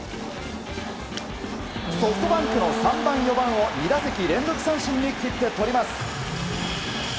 ソフトバンクの３番、４番を２打席連続三振に切ってとります。